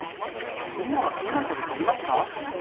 みんなは考えたことありますか？